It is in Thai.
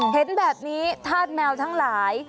เห็นแบบนี้ธาตุแมวทั้งหลาย